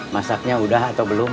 masaknya nah atau belum